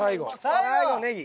最後ネギ。